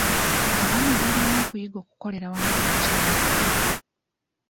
Abaami balina okuyiga okukolera awamu ne bakyala baabwe.